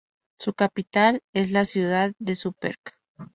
Su capital es la ciudad de Šumperk.